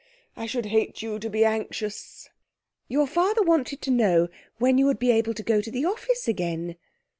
I should hate you to be anxious.' 'Your father wanted to know when you would be able to go to the office again.'